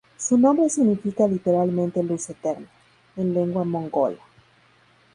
Su nombre significa literalmente "luz eterna" en lengua mongola.